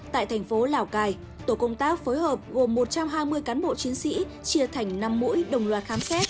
tổ công tác phối hợp gồm một trăm hai mươi cán bộ chiến sĩ chia thành năm mũi đồng loạt khám xét